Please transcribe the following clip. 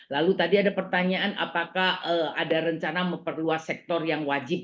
lalu tadi ada pertanyaan apakah ada rencana memperluas sektor yang wajib